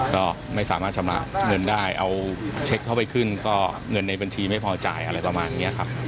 ก็ไม่สามารถชำระเงินได้เอาเช็คเข้าไปขึ้นก็เงินในบัญชีไม่พอจ่ายอะไรประมาณนี้ครับ